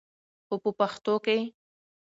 خو په پښتو کښې